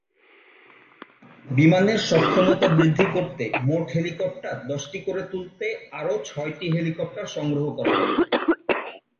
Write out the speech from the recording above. বিমানের সক্ষমতা সমৃদ্ধ করতে মোট হেলিকপ্টার দশটি করে তুলতে আরও ছয়টি হেলিকপ্টার সংগ্রহ করা হবে।